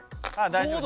大丈夫！